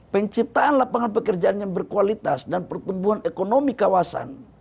penciptaan lapangan pekerjaan yang berkualitas dan pertumbuhan ekonomi kawasan